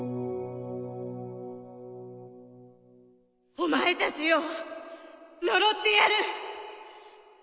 お前たちを呪ってやる！